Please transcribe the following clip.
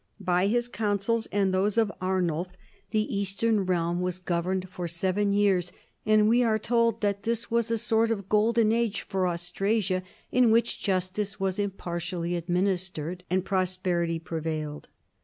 Bv his counsels and those of Arnulf the Eastern EARLY MAYORS OF THE PALACE, 35 realm was governed for seven years, and we are told that this was a sort of golden age for Austrasia, in whicli justice v^as impartially administered and prosperity prevailed.